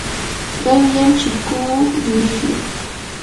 qanyan chikuu yurishqa.